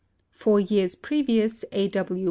Four years previous A. W.